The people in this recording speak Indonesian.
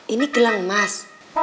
ini gelang emas